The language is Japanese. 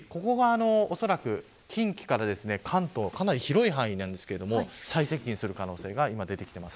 おそらく近畿から関東かなり広い範囲なんですけれども最接近する可能性が出てきています。